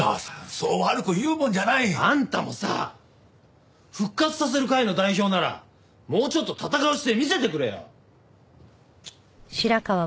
そう悪く言うもんじゃない！あんたもさ復活させる会の代表ならもうちょっと闘う姿勢見せてくれよ！